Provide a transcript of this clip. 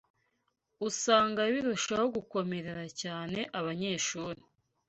usanga birushaho gukomerera cyane abanyeshuri